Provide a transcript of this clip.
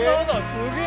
すげえ。